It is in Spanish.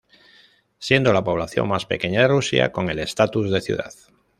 Siendo la población más pequeña de Rusia con el estatus de ciudad.